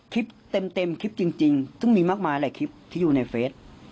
คลิปเต็มคลิปจริงซึ่งมีมากมายหลายคลิปที่อยู่ในเฟส